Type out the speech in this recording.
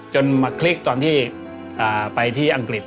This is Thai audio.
จนมาคลิกตอนที่ไปที่อังกฤษ